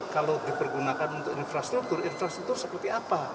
kalau dipergunakan untuk infrastruktur infrastruktur seperti apa